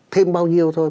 thêm bao nhiêu thôi